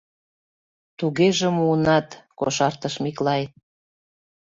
— Тугеже муынат, — кошартыш Миклай.